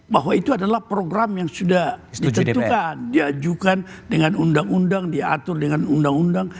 bahwa itu adalah program yang sudah ditentukan diajukan dengan undang undang diatur dengan undang undang